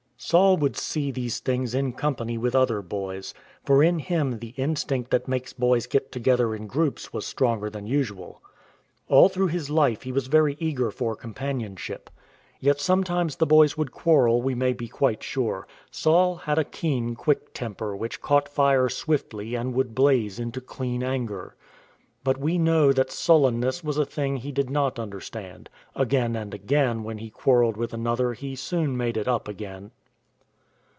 Saul would see these things in company with other boys; for in him the instinct that makes boys get together in groups was stronger than usual. All through his life he was very eager for companionship. 28 THE LOOM OF THE TENT MAKER 29 Yet sometimes the boys would quarrel, we may be quite sure ; Saul had a keen, quick temper which caught fire swiftly and would blaze into clean anger. But we know that sullenness was a thing he did not under stand. Again and again when he quarrelled with another he soon made it up again.